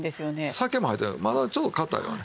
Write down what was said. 酒も入ってるまだちょっと硬いからね。